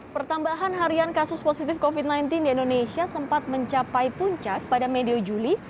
pertambahan harian kasus positif covid sembilan belas di indonesia sempat mencapai puncak pada medio juli